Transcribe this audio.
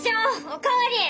お代わり！